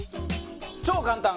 超簡単！